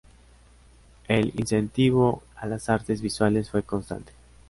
El incentivo a las artes visuales fue constante.